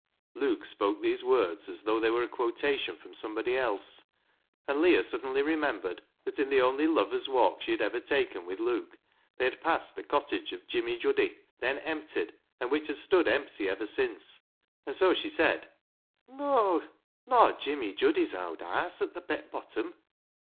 Luke spoke these words as though they were a quotation from somebody else, and Leah suddenly remembered that in the only lover's walk she had ever taken with Luke they had passed the cottage of Jimmy Juddy, then just emptied, and which had stood empty ever since, and so she said —" No' Jimmy Juddy's owd haase, at th' Beckbottom